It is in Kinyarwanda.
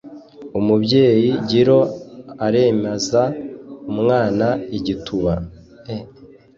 umubyeyi giro aremaza umwana igituba.